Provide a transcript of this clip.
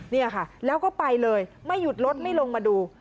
เนี่ยค่ะแล้วก็ไปเลยไม่หยุดรถไม่ลงมาดู